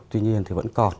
tuy nhiên thì vẫn còn